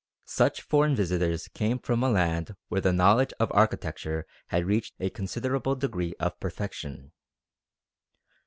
Such foreign visitors came from a land where the knowledge of architecture had reached a considerable degree of perfection.